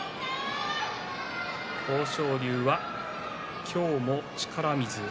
豊昇龍は今日も力水。